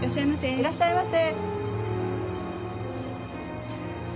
いらっしゃいませ。